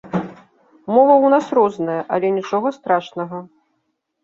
Мова ў нас розная, але нічога страшнага.